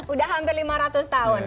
udah hampir lima ratus tahun